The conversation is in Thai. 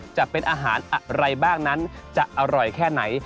จะเป็นอาหารอะไรบ้างนั้นจะอร่อยแค่ไหน